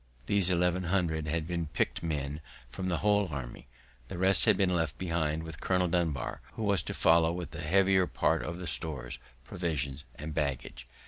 These eleven hundred had been picked men from the whole army; the rest had been left behind with Colonel Dunbar, who was to follow with the heavier part of the stores, provisions, and baggage.